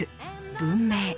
文明